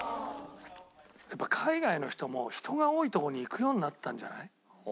やっぱ海外の人も人が多いとこに行くようになったんじゃない？